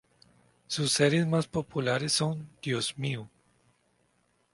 Sus series más populares son "¡Dios mío!